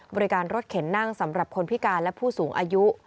บริการรถเข็นนั่งสำหรับคนพิการและผู้สูงอายุ